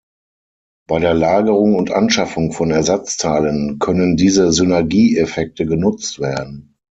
Bei der Lagerung und Anschaffung von Ersatzteilen können diese Synergieeffekte genutzt werden.